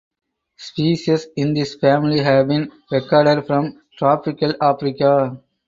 Species in this family have been recorded from tropical Africa.